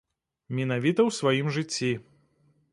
Менавіта ў сваім жыцці.